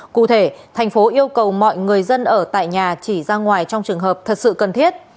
cụ thể thành phố yêu cầu mọi người dân ở tại nhà chỉ ra ngoài trong trường hợp thật sự cần thiết